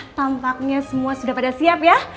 tampaknya semua sudah pada siap ya